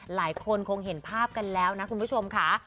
หลายคนคงเห็นภาพกันแล้วนะคุณผู้ชมค่ะ